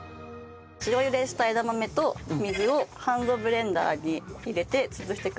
塩茹でした枝豆と水をハンドブレンダーに入れて潰してください。